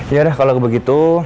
yaudah kalau begitu